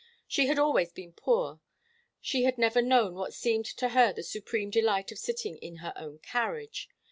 She had always been poor. She had never known what seemed to her the supreme delight of sitting in her own carriage.